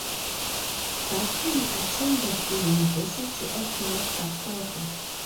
Bakken attended the University of North Dakota.